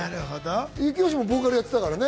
征悦もボーカルやってたからね。